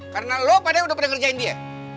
karena lu padahal udah pernah ngerjain dia